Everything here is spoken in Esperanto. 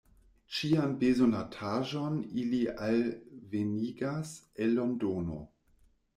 Ĉian bezonataĵon ili alvenigas el Londono.